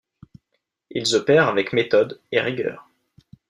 Ils opèrent avec méthode et rigueur.